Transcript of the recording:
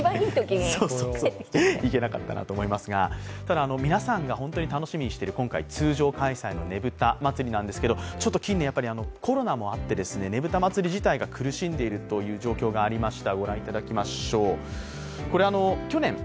行けなかったなと思いますがただ、皆さんが本当に楽しみにしている通常開催のねぶたなんですけれども、近年、コロナもあってねぶた祭自体が苦しんでいるという状況がありました。